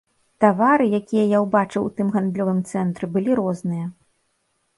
Тавары, якія я ўбачыў у тым гандлёвым цэнтры, былі розныя.